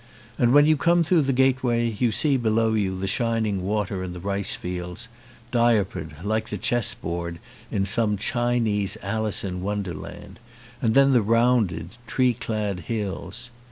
And when you come through the gateway you see below you the shining water in the rice fields, diapered, like the chess board in some Chinese Alice in Wonderland, and then the rounded, tree clad hills.